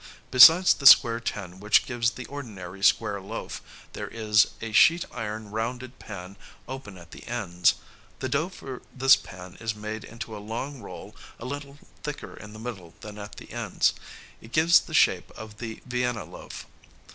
Besides the square tin which gives the ordinary square loaf, there is a sheet iron rounded pan open at the ends. The dough for this pan is made into a long roll a little thicker in the middle than at the ends. It gives the shape of the Vienna loaf.